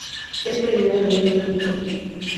Se han determinado algunos agentes activos.